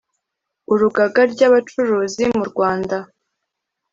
urugagary abacuruzi mu rwanda